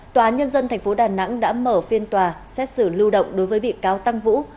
tòa nhân dân tp đà nẵng đã mở phiên tòa xét xử lưu động đối với bị cáo tăng vũ